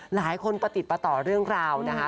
หลายคนประติดต่อเรื่องราวนะฮะ